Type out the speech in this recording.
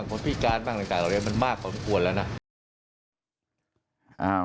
คนพิการบ้างตัวออกเรียนมันมากของกวนล่ะ